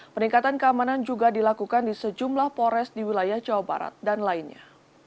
peningkatan keamanan juga dilakukan di sejumlah pores di wilayah jawa barat dan lainnya